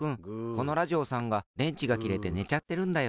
このラジオさんがでんちがきれてねちゃってるんだよ。